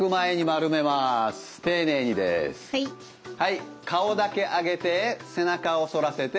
はい顔だけ上げて背中を反らせて起こします。